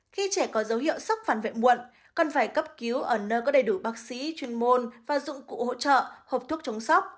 khi trẻ có dấu hiệu sốc phản vệ muộn cần phải cấp cứu ở nơi có đầy đủ bác sĩ chuyên môn và dụng cụ hỗ trợ hộp thuốc chống sóc